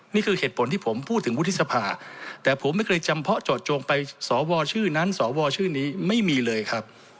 นี่คือเหตุผลที่ผมพูดถึงวุฒิสภาแต่ผมไม่เคยจำเพาะเจาะจงไปสวชื่อนั้นสวชื่อนี้ไม่มีเลยครับ